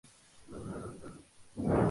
Will You Be There?